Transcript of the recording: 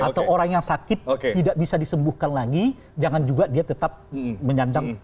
atau orang yang sakit tidak bisa disembuhkan lagi jangan juga dia tetap menyandang